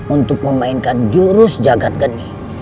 untuk memainkan jurus jagad gening